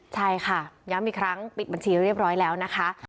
ใช่ค่ะย้ำอีกครั้งปิดบัญชีเรียบร้อยแล้วนะคะ